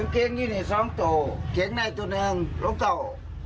เกงอยู่นี่ซ้องต่อเกงในตัวหนึ่งลงเต่า